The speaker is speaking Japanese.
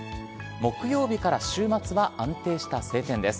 木曜日から週末は安定した晴天です。